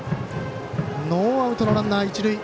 ノーアウトのランナー、一塁。